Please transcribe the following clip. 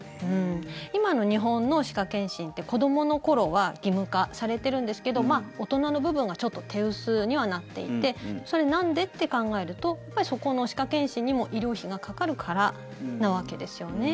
今の日本の歯科検診って子どもの頃は義務化されてるんですけど大人の部分がちょっと手薄にはなっていてそれはなんで？って考えるとやっぱりそこの歯科検診にも医療費がかかるからなわけですよね。